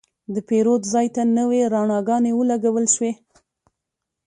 د پیرود ځای ته نوې رڼاګانې ولګول شوې.